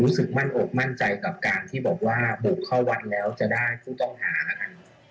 มั่นอกมั่นใจกับการที่บอกว่าบุกเข้าวัดแล้วจะได้ผู้ต้องหาค่ะ